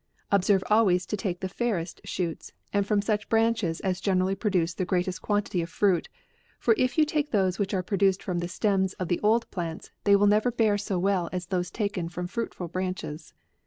Observe always to take the fairest shoots, and from such branches as generally produce the greatest quantity of fruit ; for if you take those which are pro duced from the stems of the old plants, they will never bear so well as those taken from fruitful branches.